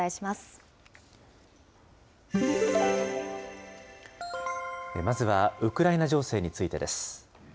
まずは、ウクライナ情勢についてです。